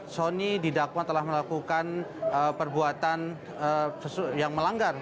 sony didakwa telah melakukan perbuatan yang melanggar